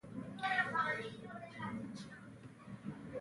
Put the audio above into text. شېرمامده زویه، له کارېزه!